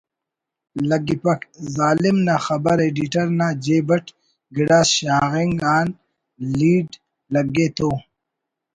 لگپ ظالم نا خبر ایڈیٹر نا جیب اٹ گڑاس شاغنگ آن لیڈ لگے تو……